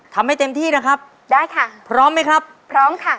ทำให้เต็มที่นะครับพร้อมไหมครับพร้อมค่ะได้ค่ะ